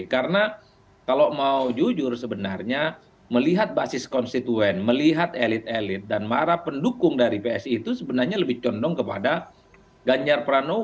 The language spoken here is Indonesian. karena kalau mau jujur sebenarnya melihat basis konstituen melihat elit elit dan marah pendukung dari psi itu sebenarnya lebih condong kepada ganjar pranowo